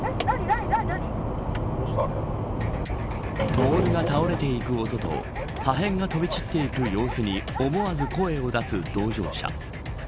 ポールが倒れていく音と破片が飛び散っていく様子に思わず声を出す同乗者。